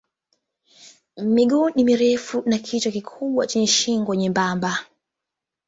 Miguu ni mirefu na kichwa kikubwa chenye shingo nyembamba.